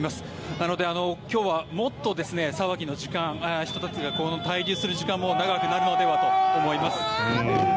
なので、今日はもっと騒ぎの時間この人たちが滞留する時間が長くなるのではと思います。